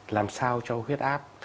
làm sao cho huyết áp